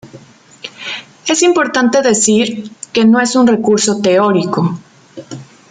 Es importante decir, que no es un recurso teórico.